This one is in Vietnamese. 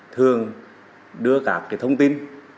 thường đưa các cái thông tin